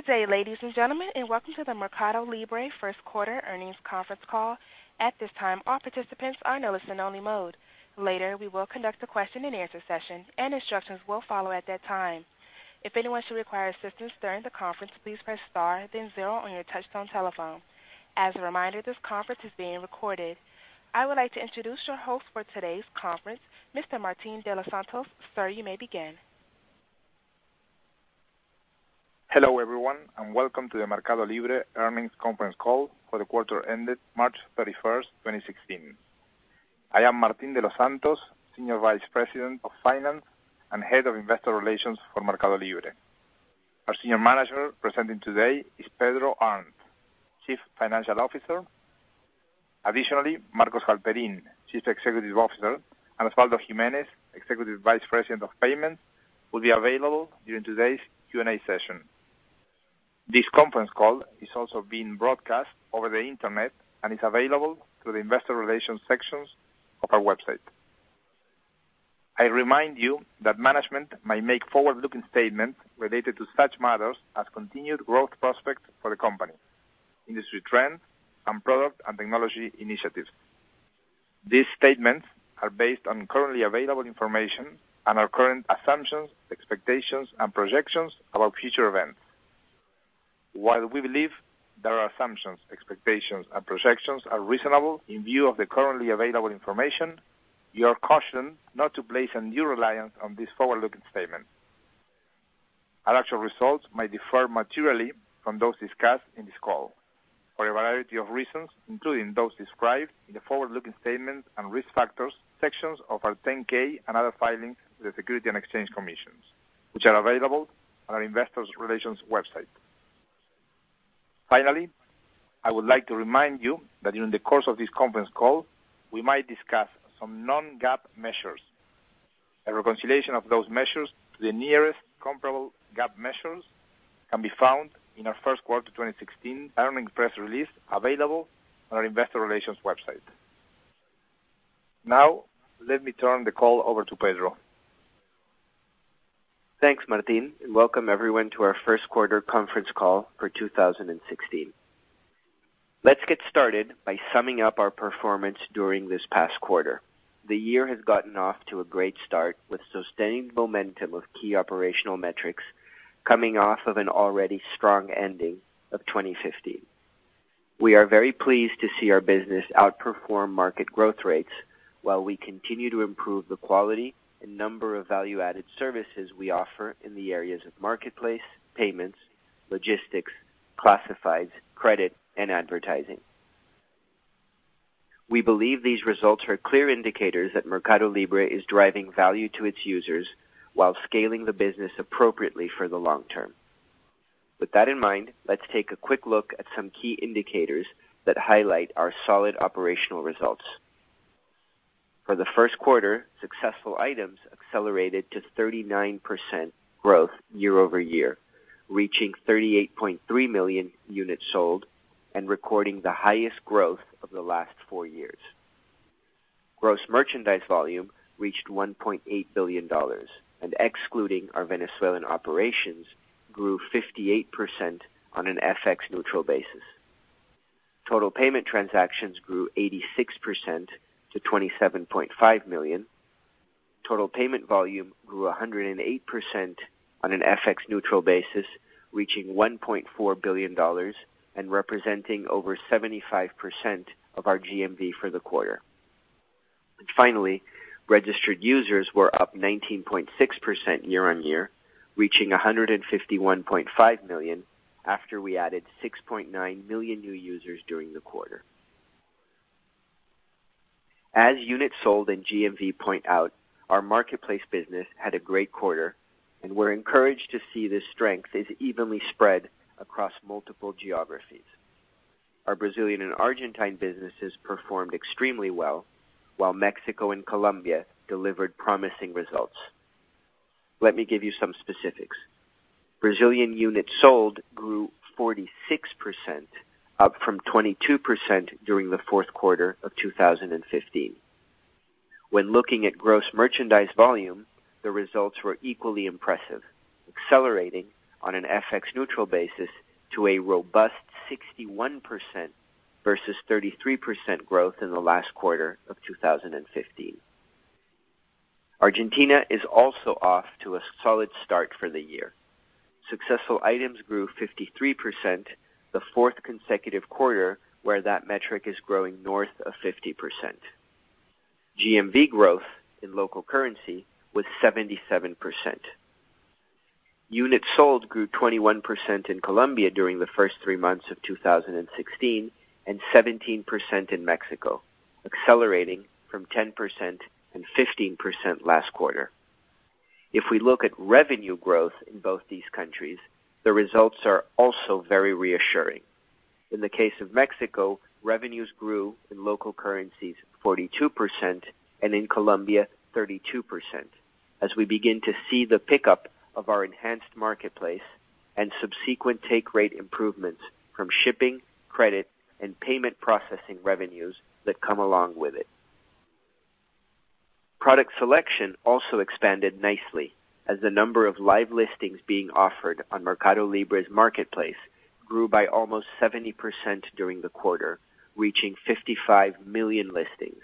Good day, ladies and gentlemen, and welcome to the MercadoLibre first quarter earnings conference call. At this time, all participants are in listen only mode. Later, we will conduct a question and answer session, and instructions will follow at that time. If anyone should require assistance during the conference, please press star then zero on your touchtone telephone. As a reminder, this conference is being recorded. I would like to introduce your host for today's conference, Mr. Martín de los Santos. Sir, you may begin. Hello, everyone, and welcome to the MercadoLibre earnings conference call for the quarter ended March 31st, 2016. I am Martín de los Santos, Senior Vice President of Finance and Head of Investor Relations for MercadoLibre. Our senior manager presenting today is Pedro Arnt, Chief Financial Officer. Additionally, Marcos Galperin, Chief Executive Officer, and Osvaldo Giménez, Executive Vice President of Payments, will be available during today's Q&A session. This conference call is also being broadcast over the internet and is available through the investor relations sections of our website. I remind you that management may make forward-looking statements related to such matters as continued growth prospects for the company, industry trends, and product and technology initiatives. These statements are based on currently available information and our current assumptions, expectations, and projections about future events. While we believe that our assumptions, expectations, and projections are reasonable in view of the currently available information, you are cautioned not to place undue reliance on these forward-looking statements. Our actual results may differ materially from those discussed in this call for a variety of reasons, including those described in the forward-looking statements and risk factors sections of our 10-K and other filings with the Securities and Exchange Commission, which are available on our investors relations website. Finally, I would like to remind you that during the course of this conference call, we might discuss some non-GAAP measures. A reconciliation of those measures to the nearest comparable GAAP measures can be found in our first quarter 2016 earnings press release available on our investor relations website. Now, let me turn the call over to Pedro. Thanks, Martín, and welcome everyone to our first quarter conference call for 2016. Let's get started by summing up our performance during this past quarter. The year has gotten off to a great start with sustained momentum of key operational metrics coming off of an already strong ending of 2015. We are very pleased to see our business outperform market growth rates while we continue to improve the quality and number of value-added services we offer in the areas of marketplace, payments, logistics, classifieds, credit, and advertising. We believe these results are clear indicators that MercadoLibre is driving value to its users while scaling the business appropriately for the long term. With that in mind, let's take a quick look at some key indicators that highlight our solid operational results. For the first quarter, successful items accelerated to 39% growth year-over-year, reaching 38.3 million units sold and recording the highest growth of the last 4 years. Gross merchandise volume reached $1.8 billion and excluding our Venezuelan operations, grew 58% on an FX neutral basis. Total payment transactions grew 86% to 27.5 million. Total payment volume grew 108% on an FX neutral basis, reaching $1.4 billion and representing over 75% of our GMV for the quarter. Finally, registered users were up 19.6% year-on-year, reaching 151.5 million after we added 6.9 million new users during the quarter. As units sold and GMV point out, our marketplace business had a great quarter. We're encouraged to see this strength is evenly spread across multiple geographies. Our Brazilian and Argentine businesses performed extremely well, while Mexico and Colombia delivered promising results. Let me give you some specifics. Brazilian units sold grew 46%, up from 22% during the fourth quarter of 2015. When looking at gross merchandise volume, the results were equally impressive, accelerating on an FX neutral basis to a robust 61% versus 33% growth in the last quarter of 2015. Argentina is also off to a solid start for the year. Successful items grew 53%, the fourth consecutive quarter where that metric is growing north of 50%. GMV growth in local currency was 77%. Units sold grew 21% in Colombia during the first 3 months of 2016, and 17% in Mexico, accelerating from 10% and 15% last quarter. If we look at revenue growth in both these countries, the results are also very reassuring. In the case of Mexico, revenues grew in local currencies 42%, and in Colombia 32%, as we begin to see the pickup of our enhanced marketplace. Subsequent take rate improvements from shipping, credit, and payment processing revenues that come along with it. Product selection also expanded nicely as the number of live listings being offered on Mercado Libre's marketplace grew by almost 70% during the quarter, reaching 55 million listings.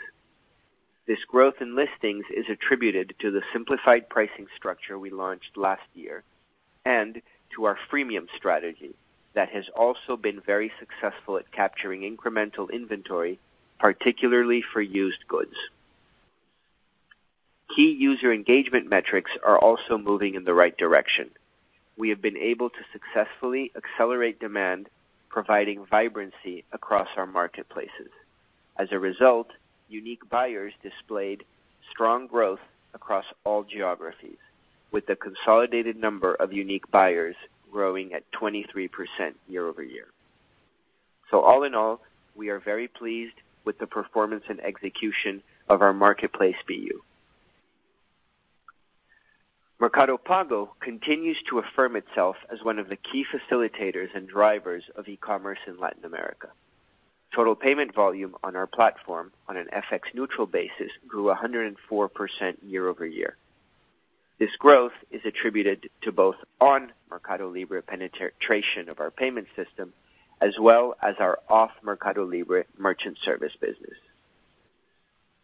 This growth in listings is attributed to the simplified pricing structure we launched last year and to our freemium strategy that has also been very successful at capturing incremental inventory, particularly for used goods. Key user engagement metrics are also moving in the right direction. We have been able to successfully accelerate demand, providing vibrancy across our marketplaces. As a result, unique buyers displayed strong growth across all geographies, with the consolidated number of unique buyers growing at 23% year over year. So all in all, we are very pleased with the performance and execution of our marketplace BU. Mercado Pago continues to affirm itself as one of the key facilitators and drivers of e-commerce in Latin America. Total payment volume on our platform on an FX neutral basis grew 104% year over year. This growth is attributed to both on Mercado Libre penetration of our payment system, as well as our off Mercado Libre merchant service business.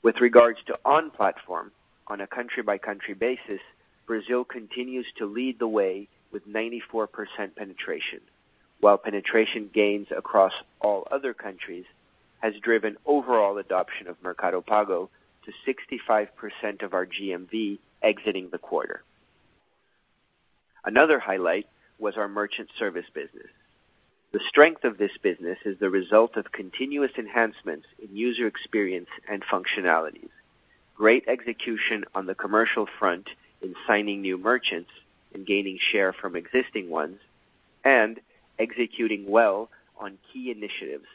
With regards to on-platform, on a country-by-country basis, Brazil continues to lead the way with 94% penetration, while penetration gains across all other countries has driven overall adoption of Mercado Pago to 65% of our GMV exiting the quarter. Another highlight was our merchant service business. The strength of this business is the result of continuous enhancements in user experience and functionalities, great execution on the commercial front in signing new merchants and gaining share from existing ones, and executing well on key initiatives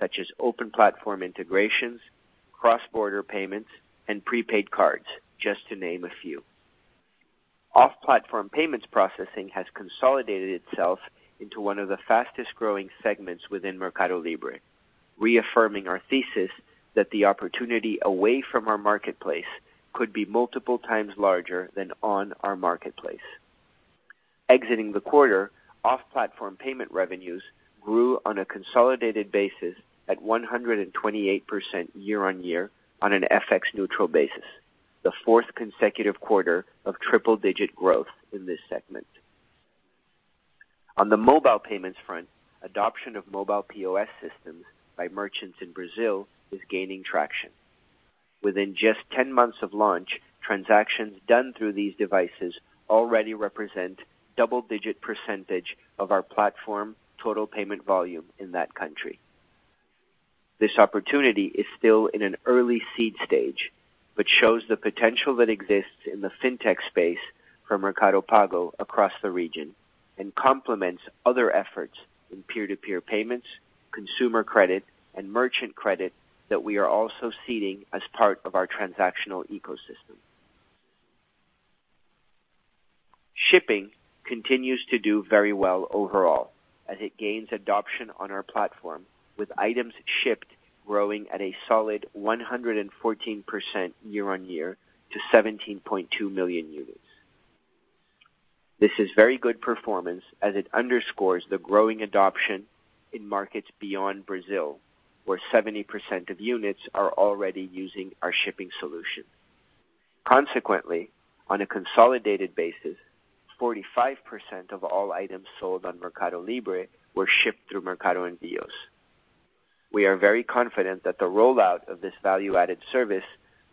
such as open platform integrations, cross-border payments, and prepaid cards, just to name a few. Off-platform payments processing has consolidated itself into one of the fastest-growing segments within Mercado Libre, reaffirming our thesis that the opportunity away from our marketplace could be multiple times larger than on our marketplace. Exiting the quarter, off-platform payment revenues grew on a consolidated basis at 128% year-on-year on an FX neutral basis, the fourth consecutive quarter of triple-digit growth in this segment. On the mobile payments front, adoption of mobile POS systems by merchants in Brazil is gaining traction. Within just 10 months of launch, transactions done through these devices already represent double-digit percentage of our platform total payment volume in that country. This opportunity is still in an early seed stage, but shows the potential that exists in the fintech space for Mercado Pago across the region and complements other efforts in peer-to-peer payments, consumer credit, and merchant credit that we are also seeding as part of our transactional ecosystem. Shipping continues to do very well overall as it gains adoption on our platform, with items shipped growing at a solid 114% year-on-year to 17.2 million units. This is very good performance as it underscores the growing adoption in markets beyond Brazil, where 70% of units are already using our shipping solution. Consequently, on a consolidated basis, 45% of all items sold on Mercado Libre were shipped through Mercado Envios. We are very confident that the rollout of this value-added service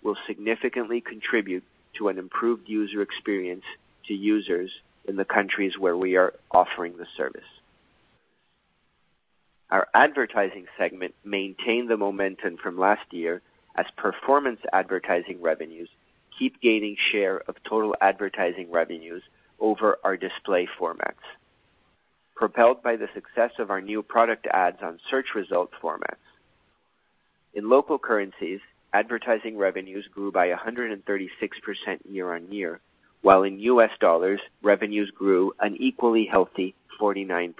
will significantly contribute to an improved user experience to users in the countries where we are offering the service. Our advertising segment maintained the momentum from last year as performance advertising revenues keep gaining share of total advertising revenues over our display formats, propelled by the success of our new product ads on search result formats. In local currencies, advertising revenues grew by 136% year-on-year, while in US dollars, revenues grew an equally healthy 49%.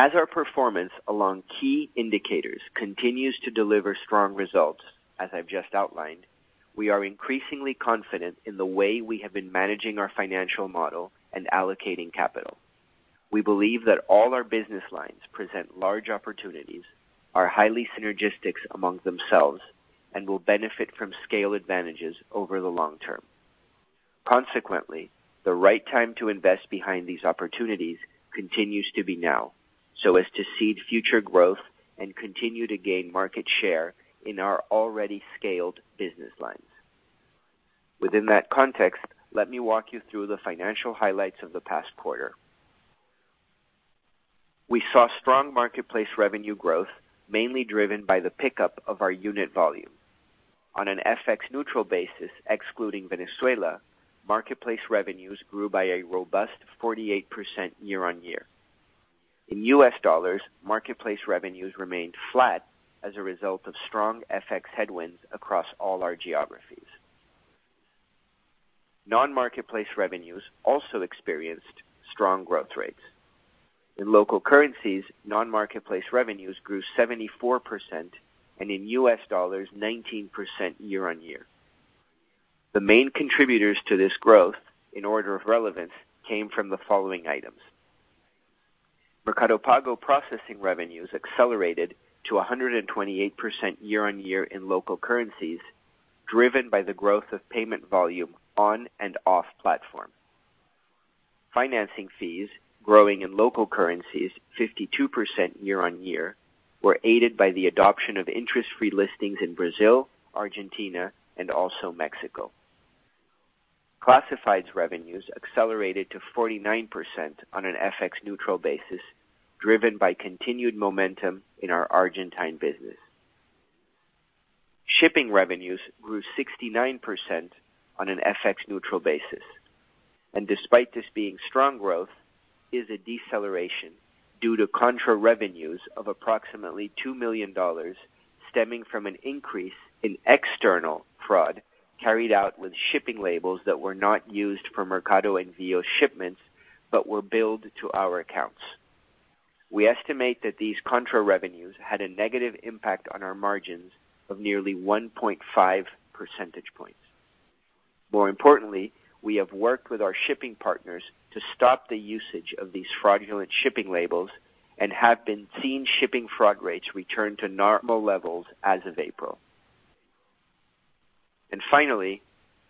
As our performance along key indicators continues to deliver strong results, as I've just outlined, we are increasingly confident in the way we have been managing our financial model and allocating capital. We believe that all our business lines present large opportunities, are highly synergistic among themselves, and will benefit from scale advantages over the long term. Consequently, the right time to invest behind these opportunities continues to be now, so as to seed future growth and continue to gain market share in our already scaled business lines. Within that context, let me walk you through the financial highlights of the past quarter. We saw strong marketplace revenue growth, mainly driven by the pickup of our unit volume. On an FX neutral basis, excluding Venezuela, marketplace revenues grew by a robust 48% year-on-year. In US dollars, marketplace revenues remained flat as a result of strong FX headwinds across all our geographies. Non-marketplace revenues also experienced strong growth rates. In local currencies, non-marketplace revenues grew 74%, and in US dollars, 19% year-on-year. The main contributors to this growth, in order of relevance, came from the following items. Mercado Pago processing revenues accelerated to 128% year-on-year in local currencies, driven by the growth of payment volume on and off platform. Financing fees, growing in local currencies 52% year-on-year, were aided by the adoption of interest-free listings in Brazil, Argentina and also Mexico. Classifieds revenues accelerated to 49% on an FX-neutral basis, driven by continued momentum in our Argentine business. Shipping revenues grew 69% on an FX-neutral basis. Despite this being strong growth, it is a deceleration due to contra revenues of approximately $2 million stemming from an increase in external fraud carried out with shipping labels that were not used for Mercado Envios shipments but were billed to our accounts. We estimate that these contra revenues had a negative impact on our margins of nearly 1.5 percentage points. More importantly, we have worked with our shipping partners to stop the usage of these fraudulent shipping labels and have been seeing shipping fraud rates return to normal levels as of April. Finally,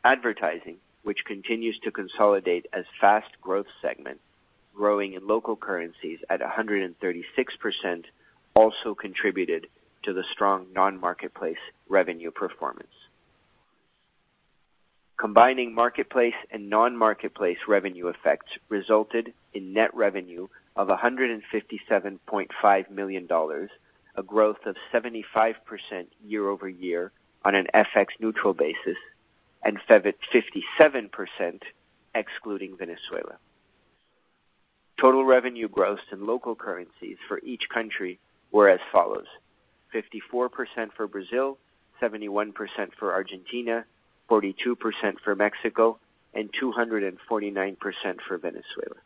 advertising, which continues to consolidate as fast growth segment, growing in local currencies at 136%, also contributed to the strong non-marketplace revenue performance. Combining marketplace and non-marketplace revenue effects resulted in net revenue of $157.5 million, a growth of 75% year-over-year on an FX-neutral basis, and 57% excluding Venezuela. Total revenue growths in local currencies for each country were as follows: 54% for Brazil, 71% for Argentina, 42% for Mexico and 249% for Venezuela.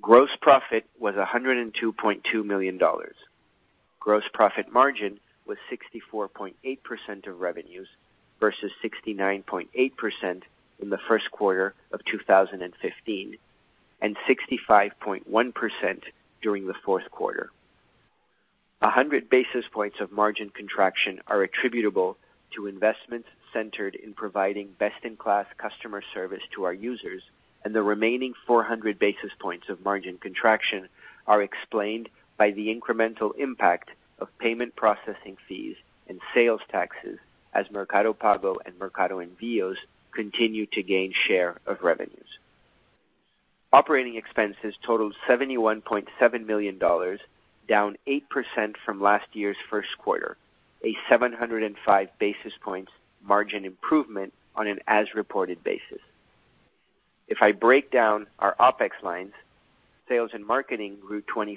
Gross profit was $102.2 million. Gross profit margin was 64.8% of revenues versus 69.8% in the first quarter of 2015, and 65.1% during the fourth quarter. One hundred basis points of margin contraction are attributable to investments centered in providing best-in-class customer service to our users, and the remaining 400 basis points of margin contraction are explained by the incremental impact of payment processing fees and sales taxes as Mercado Pago and Mercado Envios continue to gain share of revenues. Operating expenses totaled $71.7 million, down 8% from last year's first quarter, a 705 basis points margin improvement on an as-reported basis. If I break down our OPEX lines, sales and marketing grew 25%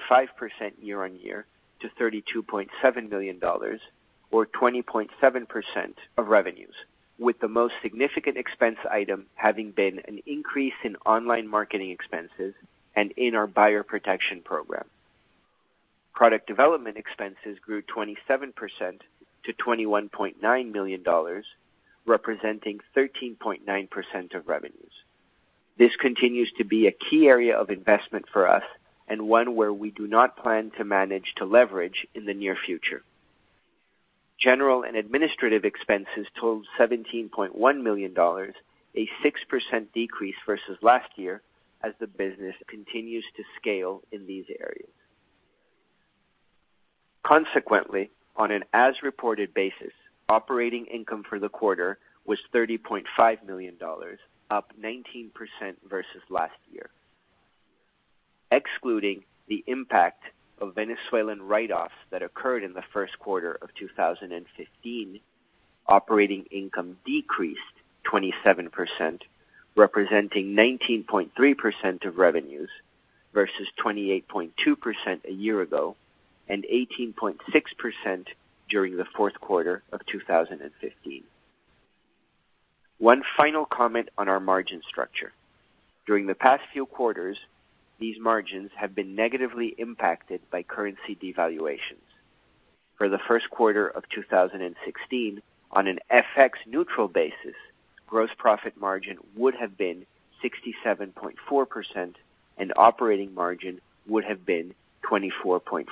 year-on-year to $32.7 million, or 20.7% of revenues, with the most significant expense item having been an increase in online marketing expenses and in our buyer protection program. Product development expenses grew 27% to $21.9 million, representing 13.9% of revenues. This continues to be a key area of investment for us and one where we do not plan to manage to leverage in the near future. General and administrative expenses totaled $17.1 million, a 6% decrease versus last year as the business continues to scale in these areas. Consequently, on an as-reported basis, operating income for the quarter was $30.5 million, up 19% versus last year. Excluding the impact of Venezuelan write-offs that occurred in the first quarter of 2015, operating income decreased 27%, representing 19.3% of revenues versus 28.2% a year ago and 18.6% during the fourth quarter of 2015. One final comment on our margin structure. During the past few quarters, these margins have been negatively impacted by currency devaluations. For the first quarter of 2016, on an FX-neutral basis, gross profit margin would have been 67.4% and operating margin would have been 24.4%.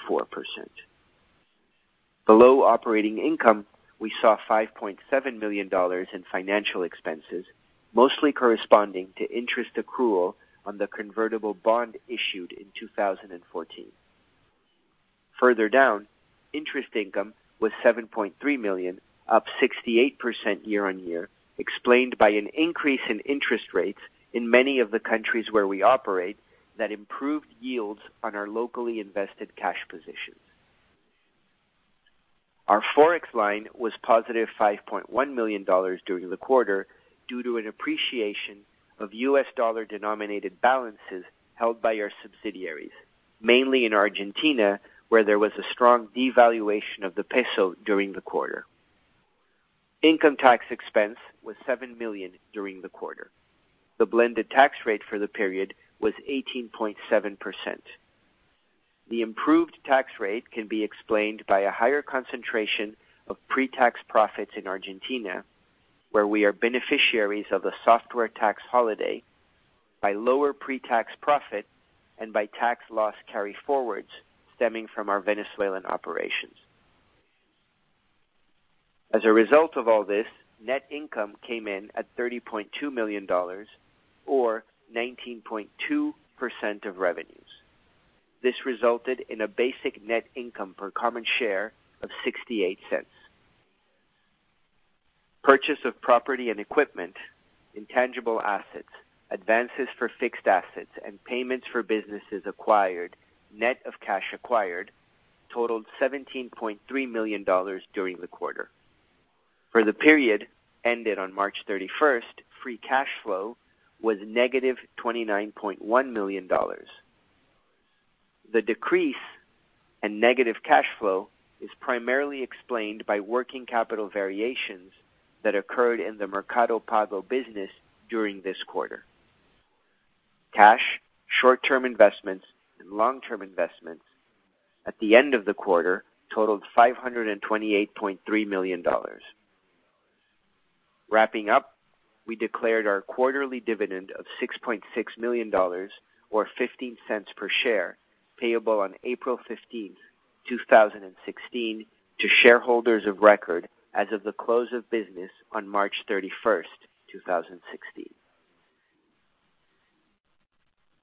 Below operating income, we saw $5.7 million in financial expenses, mostly corresponding to interest accrual on the convertible bond issued in 2014. Further down, interest income was $7.3 million, up 68% year-on-year, explained by an increase in interest rates in many of the countries where we operate that improved yields on our locally invested cash position. Our Forex line was positive $5.1 million during the quarter due to an appreciation of U.S. dollar-denominated balances held by our subsidiaries, mainly in Argentina, where there was a strong devaluation of the peso during the quarter. Income tax expense was $7 million during the quarter. The blended tax rate for the period was 18.7%. The improved tax rate can be explained by a higher concentration of pre-tax profits in Argentina, where we are beneficiaries of the software tax holiday by lower pre-tax profit and by tax loss carryforwards stemming from our Venezuelan operations. As a result of all this, net income came in at $30.2 million, or 19.2% of revenues. This resulted in a basic net income per common share of $0.68. Purchase of property and equipment, intangible assets, advances for fixed assets, and payments for businesses acquired, net of cash acquired, totaled $17.3 million during the quarter. For the period ended on March 31st, free cash flow was negative $29.1 million. The decrease in negative cash flow is primarily explained by working capital variations that occurred in the Mercado Pago business during this quarter. Cash, short-term investments, and long-term investments at the end of the quarter totaled $528.3 million. Wrapping up, we declared our quarterly dividend of $6.6 million, or $0.15 per share, payable on April 15th, 2016, to shareholders of record as of the close of business on March 31st, 2016.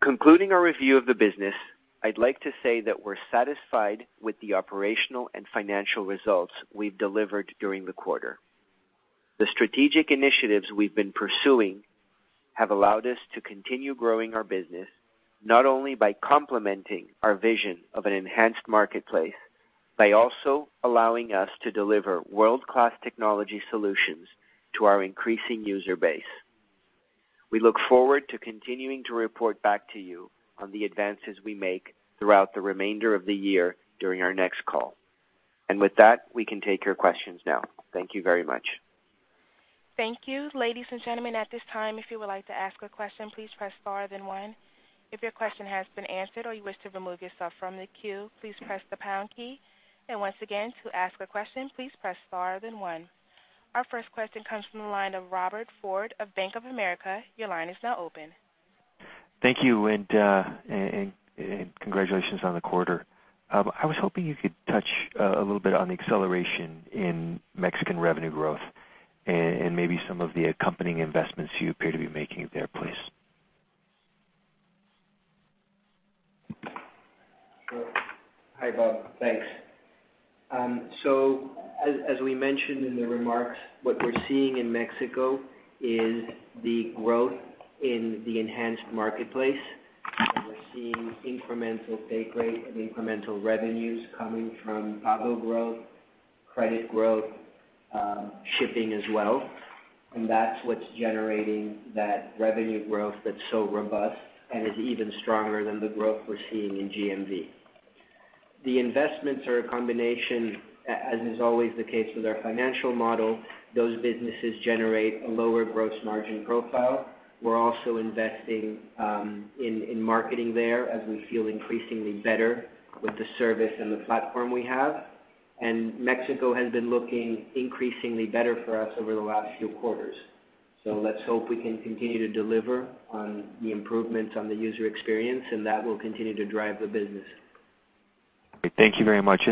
Concluding our review of the business, I'd like to say that we're satisfied with the operational and financial results we've delivered during the quarter. The strategic initiatives we've been pursuing have allowed us to continue growing our business, not only by complementing our vision of an enhanced marketplace, by also allowing us to deliver world-class technology solutions to our increasing user base. We look forward to continuing to report back to you on the advances we make throughout the remainder of the year during our next call. With that, we can take your questions now. Thank you very much. Thank you. Ladies and gentlemen, at this time, if you would like to ask a question, please press star then one. If your question has been answered or you wish to remove yourself from the queue, please press the pound key. Once again, to ask a question, please press star then one. Our first question comes from the line of Robert Ford of Bank of America. Your line is now open. Thank you, and congratulations on the quarter. I was hoping you could touch a little bit on the acceleration in Mexican revenue growth and maybe some of the accompanying investments you appear to be making there, please. Sure. Hi, Bob. Thanks. As we mentioned in the remarks, what we're seeing in Mexico is the growth in the enhanced marketplace. We're seeing incremental take rate and incremental revenues coming from Pago growth, credit growth, shipping as well, and that's what's generating that revenue growth that's so robust and is even stronger than the growth we're seeing in GMV. The investments are a combination, as is always the case with our financial model. Those businesses generate a lower gross margin profile. We're also investing in marketing there as we feel increasingly better with the service and the platform we have. Mexico has been looking increasingly better for us over the last few quarters. Let's hope we can continue to deliver on the improvements on the user experience, and that will continue to drive the business. Great. Thank you very much.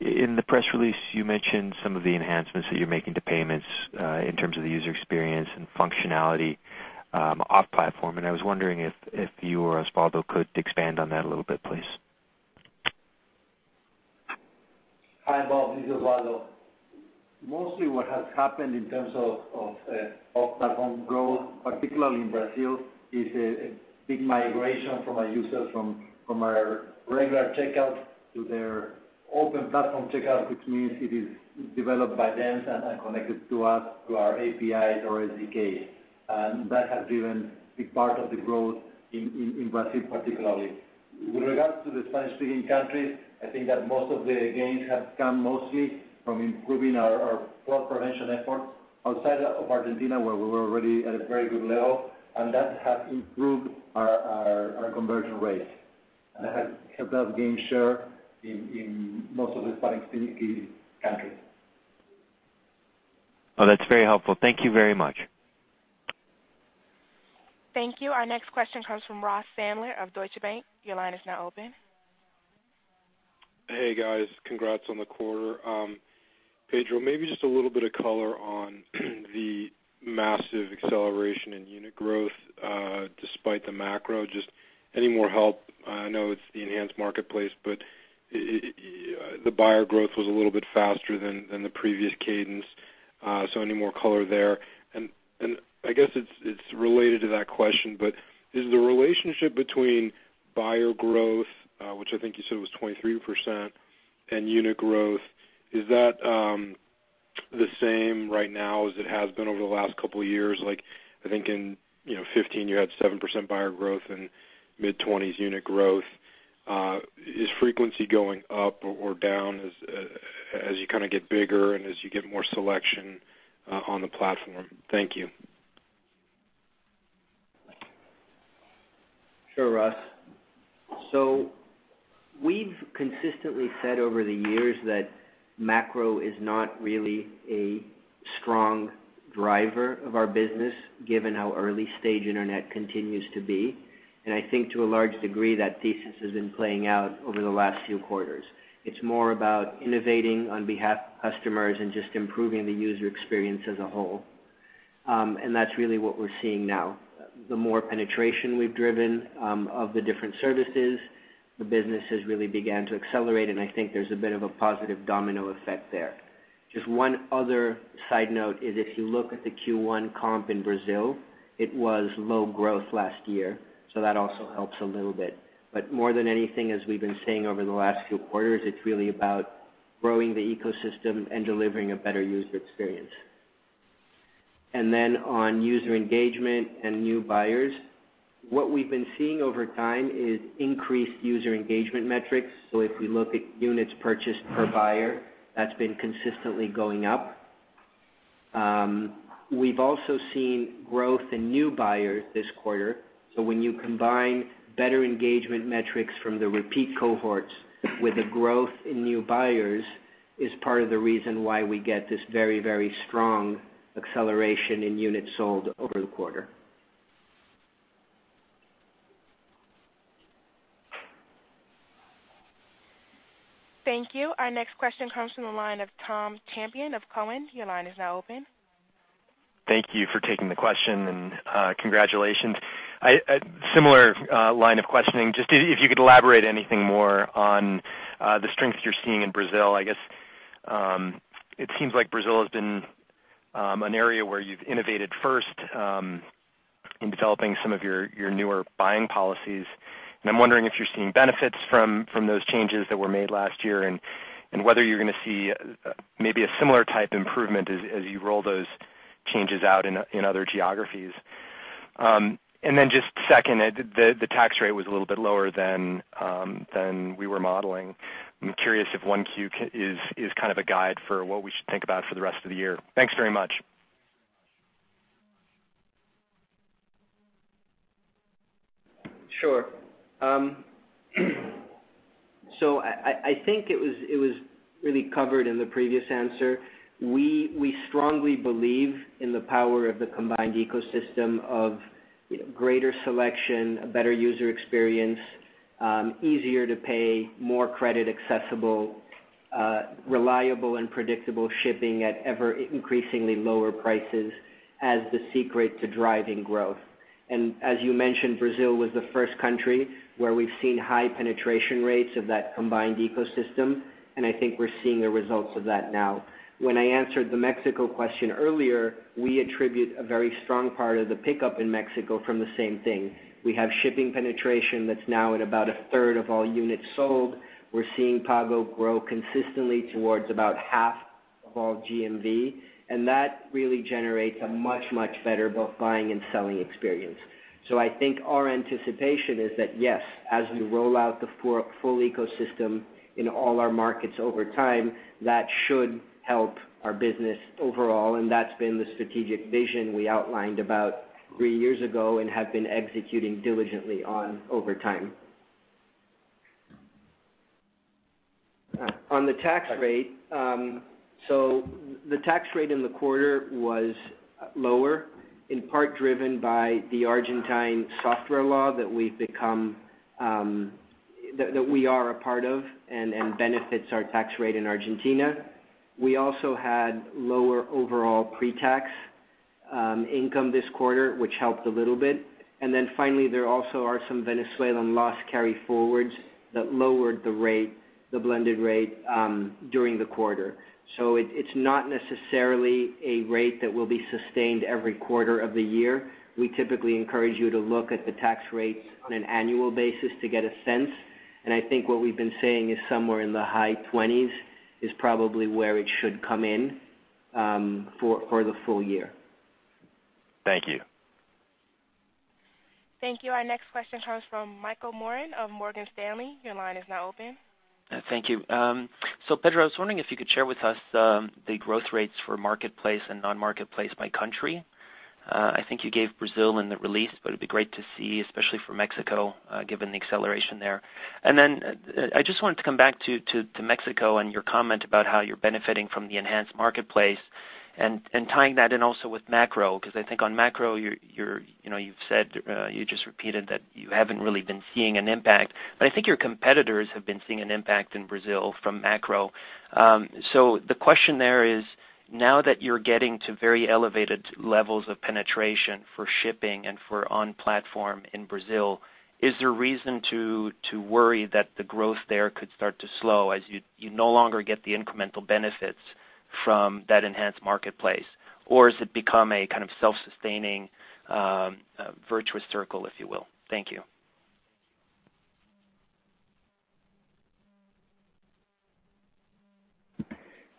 In the press release, you mentioned some of the enhancements that you're making to payments in terms of the user experience and functionality off-platform, and I was wondering if you or Osvaldo could expand on that a little bit, please. Hi, Bob. This is Osvaldo. Mostly what has happened in terms of off-platform growth, particularly in Brazil, is a big migration from our users from our regular checkout to their open platform checkout, which means it is developed by them and connected to us through our APIs or SDKs. That has driven a big part of the growth in Brazil, particularly. With regards to the Spanish-speaking countries, I think that most of the gains have come mostly from improving our fraud prevention efforts outside of Argentina, where we were already at a very good level, and that has improved our conversion rates and has helped us gain share in most of the Spanish-speaking countries. Oh, that's very helpful. Thank you very much. Thank you. Our next question comes from Ross Sandler of Deutsche Bank. Your line is now open. Hey, guys. Congrats on the quarter. Pedro, maybe just a little bit of color on the massive acceleration in unit growth despite the macro. Just any more help? I know it's the enhanced marketplace, but the buyer growth was a little bit faster than the previous cadence. Any more color there? I guess it's related to that question, but is the relationship between buyer growth, which I think you said was 23%, and unit growth, is that the same right now as it has been over the last couple of years? I think in 2015 you had 7% buyer growth and mid-20s unit growth. Is frequency going up or down as you get bigger and as you get more selection on the platform? Thank you. Sure, Ross. We've consistently said over the years that macro is not really a strong driver of our business, given how early stage internet continues to be. I think to a large degree, that thesis has been playing out over the last few quarters. It's more about innovating on behalf of customers and just improving the user experience as a whole. That's really what we're seeing now. The more penetration we've driven of the different services, the business has really began to accelerate, and I think there's a bit of a positive domino effect there. Just one other side note is if you look at the Q1 comp in Brazil, it was low growth last year, that also helps a little bit. More than anything, as we've been saying over the last few quarters, it's really about growing the ecosystem and delivering a better user experience. Then on user engagement and new buyers, what we've been seeing over time is increased user engagement metrics. If we look at units purchased per buyer, that's been consistently going up. We've also seen growth in new buyers this quarter. When you combine better engagement metrics from the repeat cohorts with the growth in new buyers, is part of the reason why we get this very, very strong acceleration in units sold over the quarter. Thank you. Our next question comes from the line of Tom Champion of Cowen. Your line is now open. Thank you for taking the question and congratulations. Similar line of questioning. Just if you could elaborate anything more on the strength you're seeing in Brazil. I guess, it seems like Brazil has been an area where you've innovated first in developing some of your newer buying policies. I'm wondering if you're seeing benefits from those changes that were made last year, and whether you're going to see maybe a similar type improvement as you roll those changes out in other geographies. Then just second, the tax rate was a little bit lower than we were modeling. I'm curious if 1Q is kind of a guide for what we should think about for the rest of the year. Thanks very much. Sure. I think it was really covered in the previous answer. We strongly believe in the power of the combined ecosystem of greater selection, a better user experience, easier to pay, more credit accessible, reliable and predictable shipping at ever increasingly lower prices as the secret to driving growth. As you mentioned, Brazil was the first country where we've seen high penetration rates of that combined ecosystem, and I think we're seeing the results of that now. When I answered the Mexico question earlier, we attribute a very strong part of the pickup in Mexico from the same thing. We have shipping penetration that's now at about a third of all units sold. We're seeing Pago grow consistently towards about half of all GMV, and that really generates a much, much better both buying and selling experience. I think our anticipation is that, yes, as we roll out the full ecosystem in all our markets over time, that should help our business overall, that's been the strategic vision we outlined about three years ago and have been executing diligently on over time. On the tax rate. The tax rate in the quarter was lower, in part driven by the Argentine Software Promotion Law that we are a part of and benefits our tax rate in Argentina. We also had lower overall pre-tax income this quarter, which helped a little bit. Finally, there also are some Venezuelan loss carryforwards that lowered the blended rate during the quarter. It's not necessarily a rate that will be sustained every quarter of the year. We typically encourage you to look at the tax rates on an annual basis to get a sense. I think what we've been saying is somewhere in the high 20s is probably where it should come in for the full year. Thank you. Thank you. Our next question comes from Michel Morin of Morgan Stanley. Your line is now open. Thank you. Pedro, I was wondering if you could share with us the growth rates for marketplace and non-marketplace by country. I think you gave Brazil in the release, but it would be great to see, especially for Mexico, given the acceleration there. I just wanted to come back to Mexico and your comment about how you are benefiting from the enhanced marketplace and tying that in also with macro, I think on macro, you have just repeated that you have not really been seeing an impact. I think your competitors have been seeing an impact in Brazil from macro. The question there is, now that you are getting to very elevated levels of penetration for shipping and for on-platform in Brazil, is there reason to worry that the growth there could start to slow as you no longer get the incremental benefits? From that enhanced marketplace, has it become a kind of self-sustaining virtuous circle, if you will? Thank you.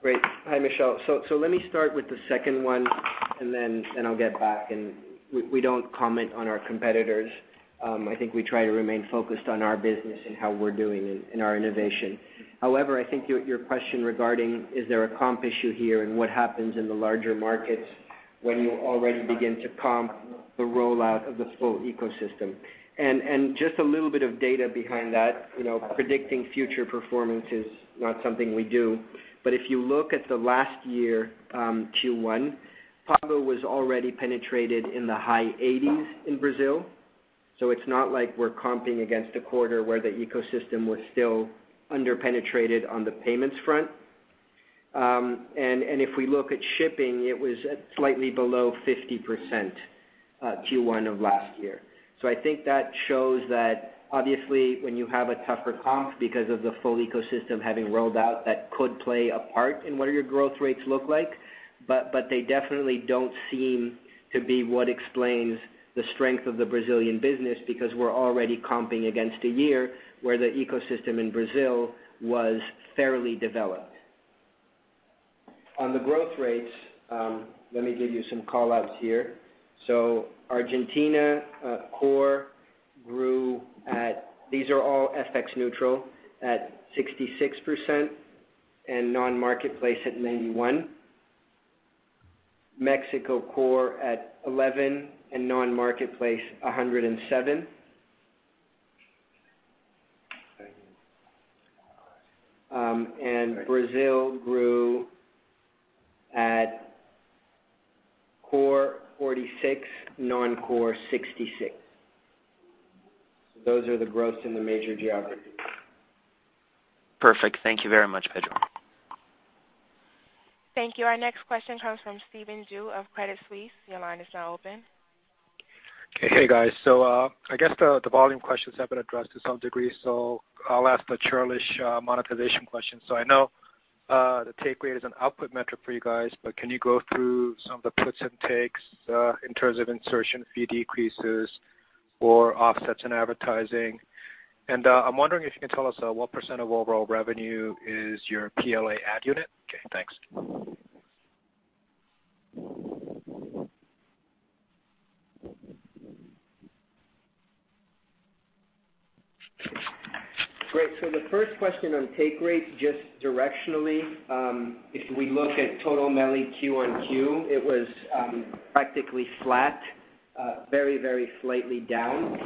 Great. Hi, Michael. Let me start with the second one, I will get back. We do not comment on our competitors. I think we try to remain focused on our business and how we are doing in our innovation. However, I think your question regarding, is there a comp issue here and what happens in the larger markets when you already begin to comp the rollout of the full ecosystem. Just a little bit of data behind that. Predicting future performance is not something we do. If you look at the last year, Q1, Pago was already penetrated in the high 80s in Brazil. It is not like we are comping against a quarter where the ecosystem was still under-penetrated on the payments front. If we look at shipping, it was at slightly below 50% Q1 of last year. I think that shows that obviously when you have a tougher comp because of the full ecosystem having rolled out, that could play a part in what are your growth rates look like. They definitely don't seem to be what explains the strength of the Brazilian business, because we're already comping against a year where the ecosystem in Brazil was fairly developed. On the growth rates, let me give you some call-outs here. Argentina core grew at, these are all FX neutral, at 66%, and non-marketplace at 91%. Mexico core at 11%, and non-marketplace 107%. Brazil grew at core 46%, non-core 66%. Those are the growths in the major geographies. Perfect. Thank you very much, Pedro. Thank you. Our next question comes from Stephen Ju of Credit Suisse. Your line is now open. Okay. Hey, guys. I guess the volume questions have been addressed to some degree, I'll ask the churlish monetization question. I know the take rate is an output metric for you guys, but can you go through some of the puts and takes in terms of insertion fee decreases or offsets in advertising? And I'm wondering if you can tell us what % of overall revenue is your PLA ad unit. Okay, thanks. The first question on take rate, just directionally, if we look at total MELI Q on Q, it was practically flat, very slightly down.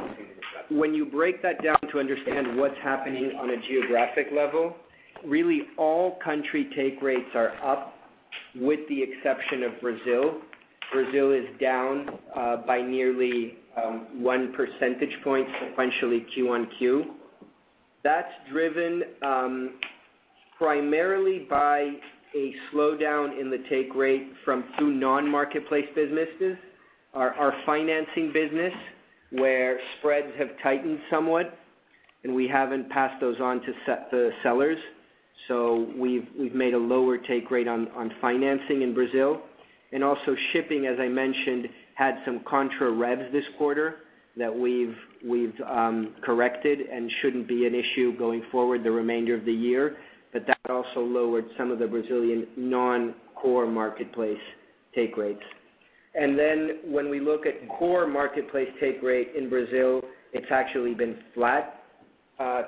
When you break that down to understand what's happening on a geographic level, really all country take rates are up, with the exception of Brazil. Brazil is down by nearly one percentage point sequentially Q on Q. That's driven primarily by a slowdown in the take rate from two non-marketplace businesses. Our financing business, where spreads have tightened somewhat, and we haven't passed those on to the sellers. We've made a lower take rate on financing in Brazil. Also shipping, as I mentioned, had some contra revs this quarter that we've corrected and shouldn't be an issue going forward the remainder of the year. That also lowered some of the Brazilian non-core marketplace take rates. When we look at core marketplace take rate in Brazil, it's actually been flat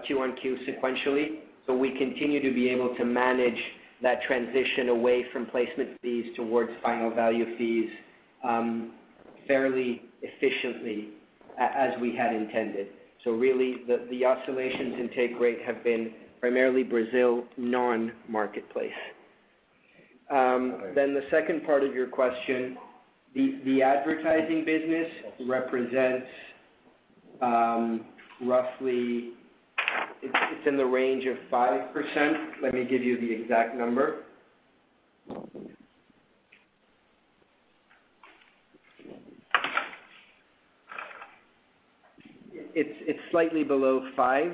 Q on Q sequentially. We continue to be able to manage that transition away from placement fees towards final value fees fairly efficiently as we had intended. Really the oscillations in take rate have been primarily Brazil non-marketplace. The second part of your question, the advertising business represents roughly, it's in the range of 5%. Let me give you the exact number. It's slightly below five,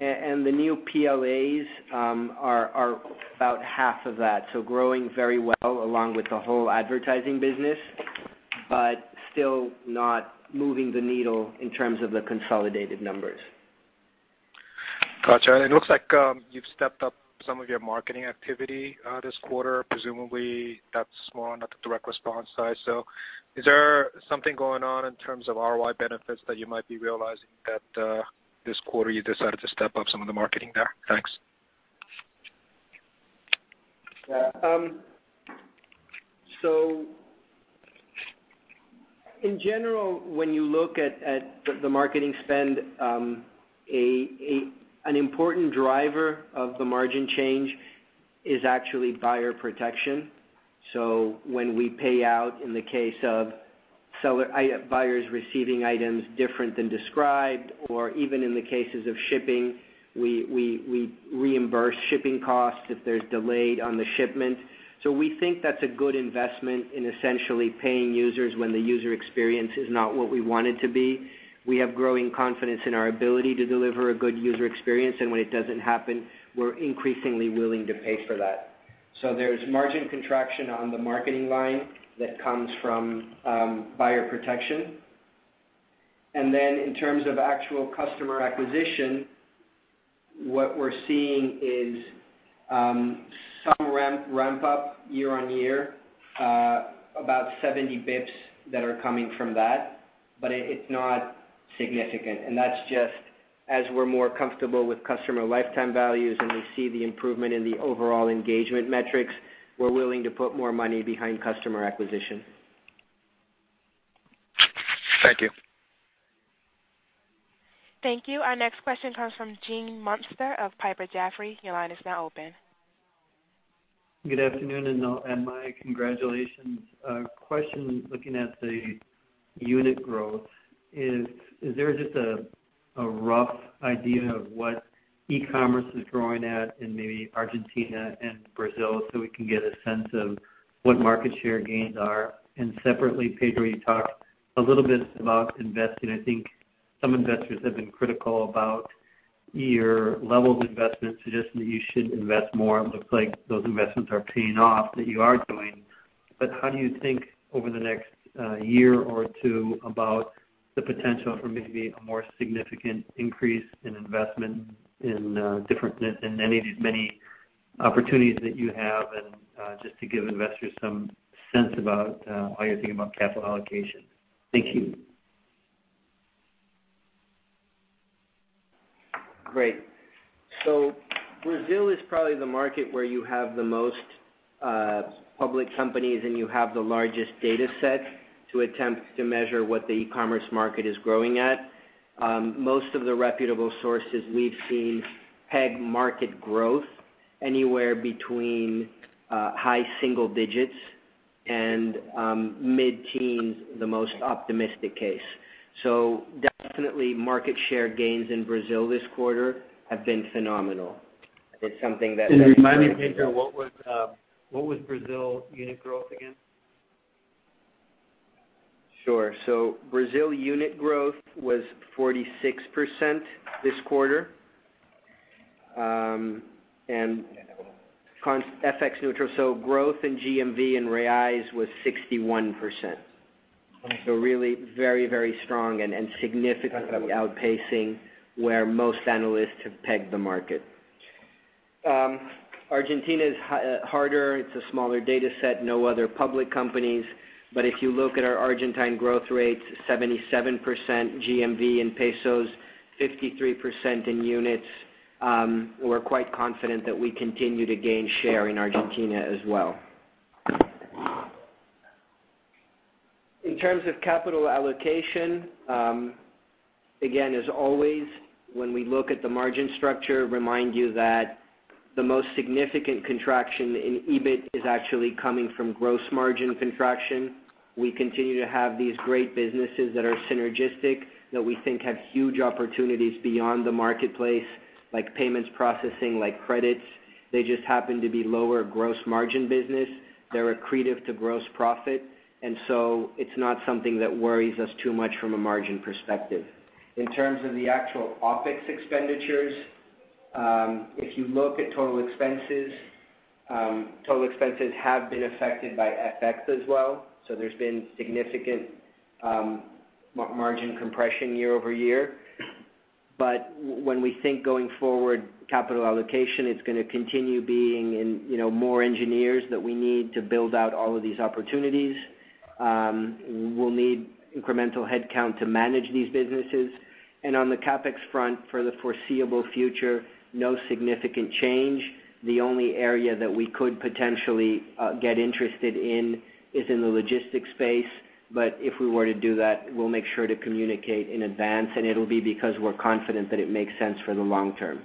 and the new PLAs are about half of that. Growing very well along with the whole advertising business, but still not moving the needle in terms of the consolidated numbers. Got you. It looks like you've stepped up some of your marketing activity this quarter, presumably that's more on the direct response side. Is there something going on in terms of ROI benefits that you might be realizing that this quarter you decided to step up some of the marketing there? Thanks. Yeah. In general, when you look at the marketing spend, an important driver of the margin change is actually buyer protection. When we pay out in the case of buyers receiving items different than described, or even in the cases of shipping, we reimburse shipping costs if there's delayed on the shipment. We think that's a good investment in essentially paying users when the user experience is not what we want it to be. We have growing confidence in our ability to deliver a good user experience, and when it doesn't happen, we're increasingly willing to pay for that. There's margin contraction on the marketing line that comes from buyer protection. In terms of actual customer acquisition, what we're seeing is some ramp-up year-on-year, about 70 basis points that are coming from that, but it's not significant. That's just as we're more comfortable with customer lifetime values and we see the improvement in the overall engagement metrics, we're willing to put more money behind customer acquisition. Thank you. Thank you. Our next question comes from Gene Munster of Piper Jaffray. Your line is now open. Good afternoon, my congratulations. A question looking at the unit growth is there just a rough idea of what e-commerce is growing at in maybe Argentina and Brazil so we can get a sense of what market share gains are? Separately, Pedro, you talked a little bit about investing. I think some investors have been critical about your level of investment, suggesting that you should invest more. It looks like those investments are paying off that you are doing. How do you think over the next year or two about the potential for maybe a more significant increase in investment in any of these many opportunities that you have? Just to give investors some sense about how you're thinking about capital allocation. Thank you. Great. Brazil is probably the market where you have the most public companies, you have the largest data set to attempt to measure what the e-commerce market is growing at. Most of the reputable sources we've seen peg market growth anywhere between high single digits and mid-teens, the most optimistic case. Definitely market share gains in Brazil this quarter have been phenomenal. Can you remind me, Pedro, what was Brazil unit growth again? Sure. Brazil unit growth was 46% this quarter, FX neutral. Growth in GMV in BRL was 61%. Really very strong and significantly outpacing where most analysts have pegged the market. Argentina is harder. It's a smaller data set, no other public companies. If you look at our Argentine growth rates, 77% GMV in ARS, 53% in units. We're quite confident that we continue to gain share in Argentina as well. In terms of capital allocation, again, as always, when we look at the margin structure, remind you that the most significant contraction in EBIT is actually coming from gross margin contraction. We continue to have these great businesses that are synergistic, that we think have huge opportunities beyond the marketplace, like payments processing, like credits. They just happen to be lower gross margin business. They're accretive to gross profit. It's not something that worries us too much from a margin perspective. In terms of the actual OpEx expenditures, if you look at total expenses, total expenses have been affected by FX as well. There's been significant margin compression year-over-year. When we think going forward capital allocation, it's going to continue being in more engineers that we need to build out all of these opportunities. We'll need incremental headcount to manage these businesses. On the CapEx front for the foreseeable future, no significant change. The only area that we could potentially get interested in is in the logistics space. If we were to do that, we'll make sure to communicate in advance, and it'll be because we're confident that it makes sense for the long term.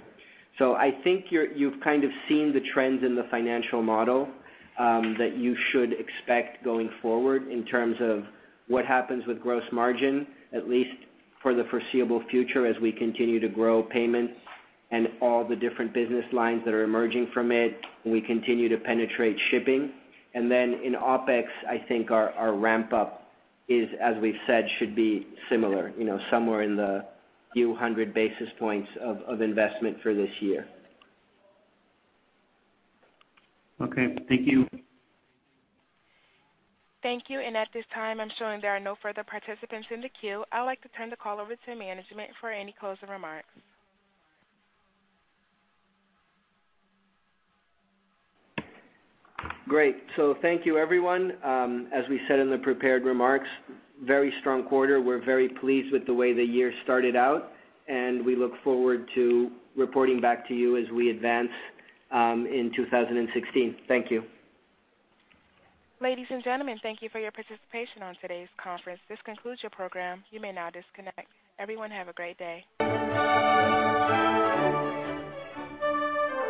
I think you've kind of seen the trends in the financial model that you should expect going forward in terms of what happens with gross margin, at least for the foreseeable future as we continue to grow payments and all the different business lines that are emerging from it, we continue to penetrate shipping. In OpEx, I think our ramp-up is, as we've said, should be similar, somewhere in the few hundred basis points of investment for this year. Okay. Thank you. Thank you. At this time, I'm showing there are no further participants in the queue. I'd like to turn the call over to management for any closing remarks. Great. Thank you, everyone. As we said in the prepared remarks, very strong quarter. We're very pleased with the way the year started out, and we look forward to reporting back to you as we advance in 2016. Thank you. Ladies and gentlemen, thank you for your participation on today's conference. This concludes your program. You may now disconnect. Everyone, have a great day.